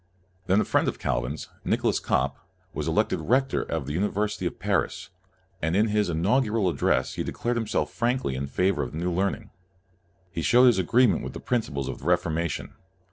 Then a friend of Calvin's, Nicholas Cop, was elected rector of the University of Paris, and in his inaugural address he declared himself frankly in favor of the new learning. He showed his agreement with the principles of the Reformation.